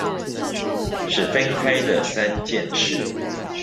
是分開的三件事